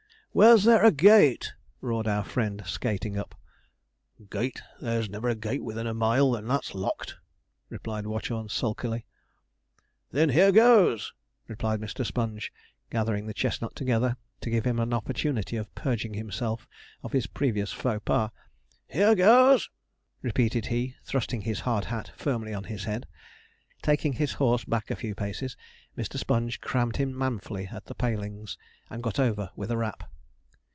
'Where's there a gate?' roared our friend, skating up. 'Gate! there's never a gate within a mile, and that's locked,' replied Watchorn sulkily. 'Then here goes!' replied Mr. Sponge, gathering the chestnut together to give him an opportunity of purging himself of his previous faux pas. 'Here goes!' repeated he, thrusting his hard hat firmly on his head. Taking his horse back a few paces, Mr. Sponge crammed him manfully at the palings, and got over with a rap.